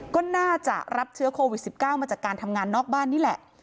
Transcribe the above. ก็น่าจะรับเชื้อโควิด๑๙มาจากการทำงานนอกบ้านนี่แหละ